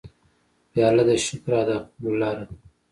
پیاله د شکر ادا کولو لاره ده.